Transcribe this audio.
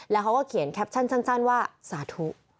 แล้วเขาก็เขียนแคปชั่นสั้นว่าสาธุ